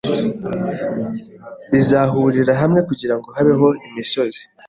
bizahurira hamwe kugirango habeho imisozi